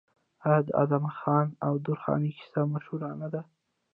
آیا د ادم خان او درخانۍ کیسه مشهوره نه ده؟